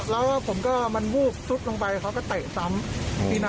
แล้วก็ผมก็มันวูบซุดลงไปเขาก็เตะซ้ำ